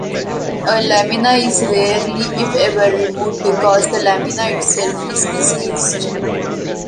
A lamina is rarely, if ever, removed because the lamina itself is diseased.